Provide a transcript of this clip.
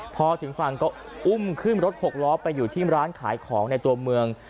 พอถึงฝั่งก็อุ้มขึ้นรถหกล้อไปอยู่ที่ร้านขายของในตัวเมือง